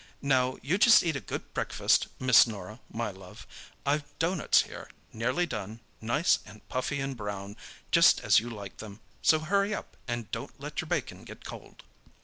"Now, you just eat a good breakfast, Miss Norah, my love. I've doughnuts here, nearly done, nice and puffy and brown, just as you like them, so hurry up and don't let your bacon get cold."